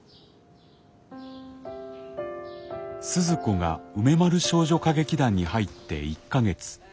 鈴子が梅丸少女歌劇団に入って１か月。